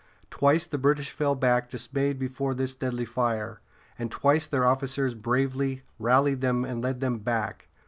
Twice the British fell back dismayed before this deadly fire, and twice their officers bravely rallied them and led them back.